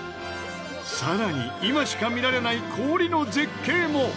さらに今しか見られない氷の絶景も！